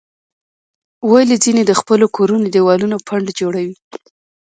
ولې ځینې د خپلو کورونو دیوالونه پنډ جوړوي؟